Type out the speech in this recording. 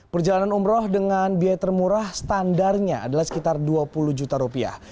perjalanan umroh dengan biaya termurah standarnya adalah sekitar dua puluh juta rupiah